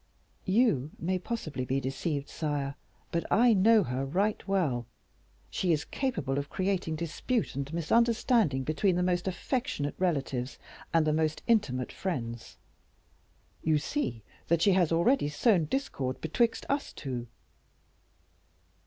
"You may possibly be deceived, sire, but I know her right well; she is capable of creating dispute and misunderstanding between the most affectionate relatives and the most intimate friends. You see that she has already sown discord betwixt us two."